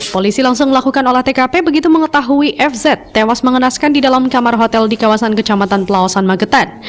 polisi langsung melakukan olah tkp begitu mengetahui fz tewas mengenaskan di dalam kamar hotel di kawasan kecamatan pelawasan magetan